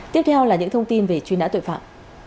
tiếp theo là những thông tin về truy nã tội phạm